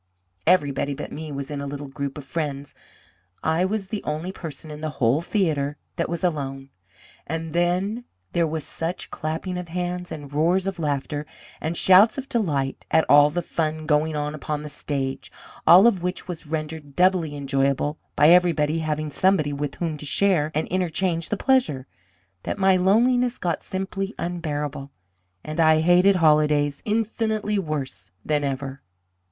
Everybody but me was in a little group of friends. I was the only person in the whole theatre that was alone. And then there was such clapping of hands, and roars of laughter, and shouts of delight at all the fun going on upon the stage, all of which was rendered doubly enjoyable by everybody having somebody with whom to share and interchange the pleasure, that my loneliness got simply unbearable, and I hated holidays infinitely worse than ever.